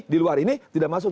di luar ini tidak masuk